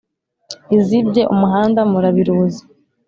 Izibye umuhanda murabiruzi